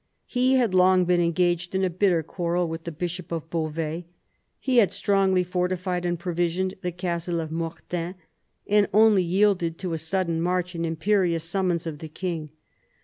He had long been engaged in a bitter quarrel with the bishop of Beauvais, he had strongly fortified and pro visioned the castle of Mortain, and only yielded to a sudden march and imperious summons of the king.